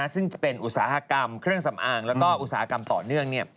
ซึ่งจะเป็นอุตสาหกรรมเครื่องสำอางแล้วก็อุตสาหกรรมต่อเนื่อง